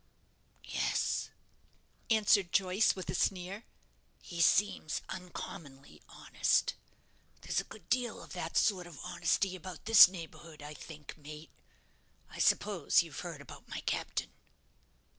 "Yes," answered Joyce, with a sneer; "he seems uncommonly honest. There's a good deal of that sort of honesty about this neighbourhood, I think, mate. I suppose you've heard about my captain?"